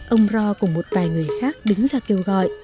ông ro cùng một vài người khác đứng ra kêu gọi